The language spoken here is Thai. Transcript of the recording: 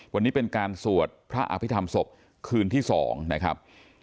วันนี้เป็นการสวดพระอภิษฐรรมศพคืนที่๒นะครับ